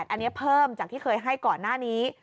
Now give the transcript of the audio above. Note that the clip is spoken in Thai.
อันนี้เพิ่มจากที่เคยให้ก่อนหน้านี้